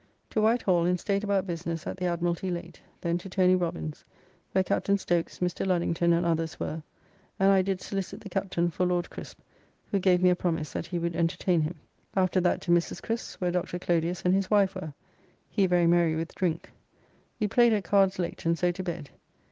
To Whitehall and staid about business at the Admiralty late, then to Tony Robins's, where Capt. Stokes, Mr. Luddington and others were, and I did solicit the Captain for Laud Crisp, who gave me a promise that he would entertain him. After that to Mrs. Crisp's where Dr. Clodius and his wife were. He very merry with drink. We played at cards late and so to bed.